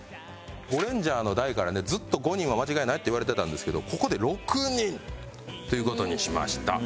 『ゴレンジャー』の代からねずっと５人は間違いないっていわれてたんですけどここで６人という事にしました。